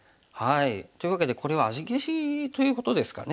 というわけでこれは味消しということですかね。